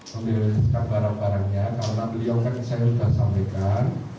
saya barang barangnya karena beliau kan saya sudah sampaikan